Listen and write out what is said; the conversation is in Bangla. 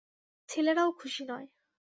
ছেলেরাও খুশি নয়।